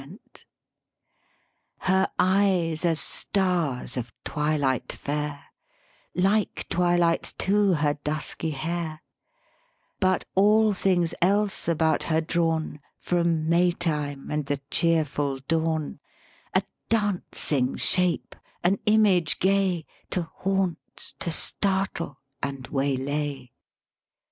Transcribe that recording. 128 LYRIC POETRY Her eyes as stars of twilight fair; Like Twilight's, too, her dusky hair; But all things else about her drawn; From May time and the cheerful dawn; A dancing shape, an image gay, To haunt, to startle, and waylay.